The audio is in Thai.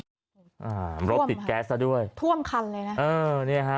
โดดใครอ่ะอ่ารบติดแก๊สด้วยท่วมคันเลยน่ะเออเนี่ยฮะ